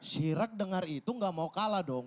sirak dengar itu gak mau kalah dong